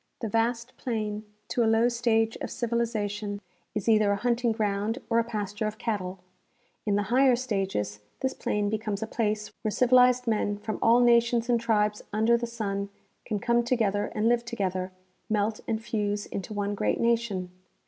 The vast plain, to a low stage of civilization, is either a hunting ground or a pasture of cattle ; in the higher stages, this plain becomes a place where civilized men from all nations and tribes under the sun can come together and live together, melt and fuse into one great nation.